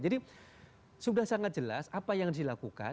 jadi sudah sangat jelas apa yang dilakukan